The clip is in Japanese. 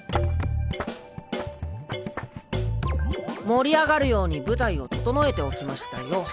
盛り上がるように舞台を整えておきましたよ。